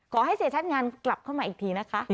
ขอให้เสียชัดงานกลับเข้ามาอีกทีนะคะ